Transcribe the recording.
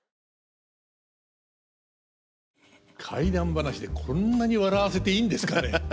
怪談話でこんなに笑わせていいんですかね。